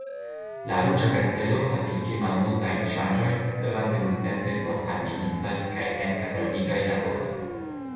La Ruĝa Kastelo havis pli malmultajn ŝanĝojn servante nuntempe por admininistraj kaj enkatalogigaj laboroj.